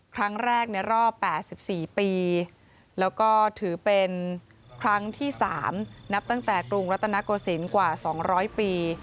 ครั้งแรกในรอบ๘๔ปีแล้วก็ถือเป็นครั้งที่๓นับตั้งแต่กรุงรัตนโกศิลป์กว่า๒๐๐ปี